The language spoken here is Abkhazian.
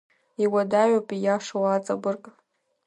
Иуадаҩуп ииашоу аҵабырг…